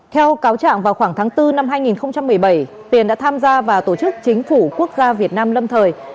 theo cáo trạng vào khoảng tháng bốn năm hai nghìn một mươi bảy tiền đã tham gia vào tổ chức chính phủ quốc gia việt nam lâm thời